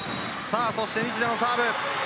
そして西田のサーブ。